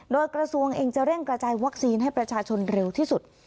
โดยกระทรวงเองจะเร่งกระจายวัคซีนให้ประชาชนเร็วที่สุด